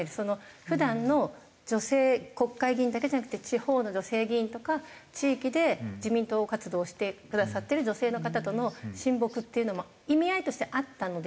普段の女性国会議員だけじゃなくて地方の女性議員とか地域で自民党活動をしてくださってる女性の方との親睦っていうのも意味合いとしてあったのですが。